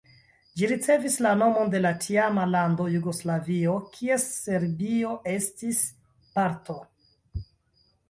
Ĝi ricevis la nomon de la tiama lando Jugoslavio, kies Serbio estis parto.